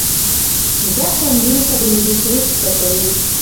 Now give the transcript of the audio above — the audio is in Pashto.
زده کړه نجونو ته د ملي سرود زده کوي.